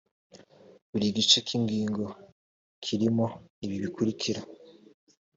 buri gice k ingingo kirimo ibi bikurikira